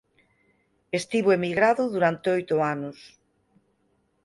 Estivo emigrado durante oito anos.